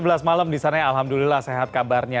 udah sebelas malam di sana ya alhamdulillah sehat kabarnya